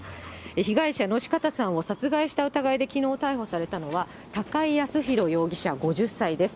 被害者の四方さんを殺害した疑いできのう逮捕されたのは、高井靖弘容疑者５０歳です。